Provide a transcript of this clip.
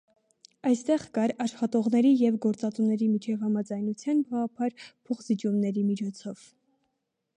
Այստեղ կար աշխատողների և գործատուների միջև համաձայնության գաղափար «փոխզիջումների» միջոցով։